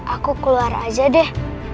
aku keluar aja deh